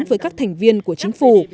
với các thành viên của chính phủ